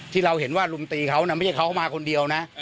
ที่เราเห็นว่ารุมตีเขาไม่ใช่เขามาคนเดียวนะ